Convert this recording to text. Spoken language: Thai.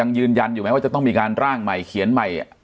ยังยืนยันอยู่ไหมว่าจะต้องมีการร่างใหม่เขียนใหม่